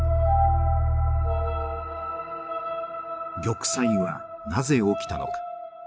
玉砕はなぜ起きたのか。